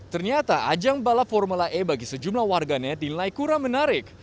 ternyata ajang balap formula e bagi sejumlah warganet dinilai kurang menarik